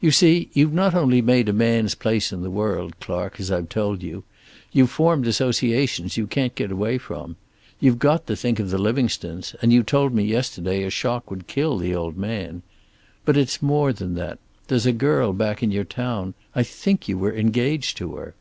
"You see, you've not only made a man's place in the world, Clark, as I've told you. You've formed associations you can't get away from. You've got to think of the Livingstones, and you told me yesterday a shock would kill the old man. But it's more than that. There's a girl back in your town. I think you were engaged to her."